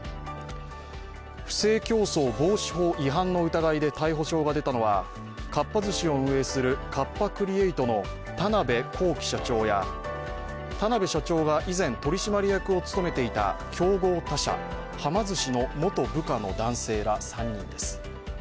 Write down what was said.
不正競争防止法違反の疑いで逮捕状が出たのはかっぱ寿司を運営するカッパ・クリエイトの田辺公己社長や田辺社長が以前、取締役を務めていた競合他社、はま寿司の元部下の男性ら３人です。